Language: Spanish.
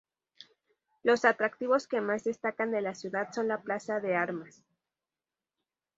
Los atractivos que más destacan de la ciudad son la plaza de armas.